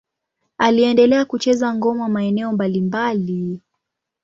Aliendelea kucheza ngoma maeneo mbalimbali.